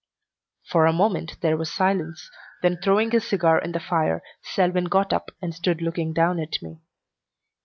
For a moment there was silence, then throwing his cigar in the fire, Selwyn got up and stood looking down at me.